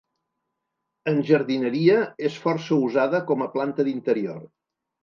En jardineria és força usada com a planta d'interior.